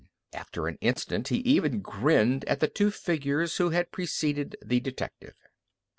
After an instant he even grinned at the two figures who had preceded the detective.